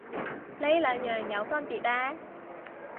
呢兩樣有分別咩